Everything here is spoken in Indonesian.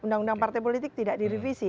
undang undang partai politik tidak direvisi